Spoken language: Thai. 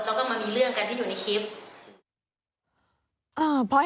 มันก็เหมือนกับว่ามันขับรถแบบพดพาด